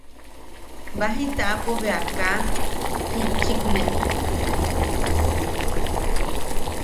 Baji taʼapo bea kaa jitchikné.